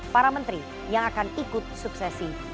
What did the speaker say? para menteri yang akan ikut suksesi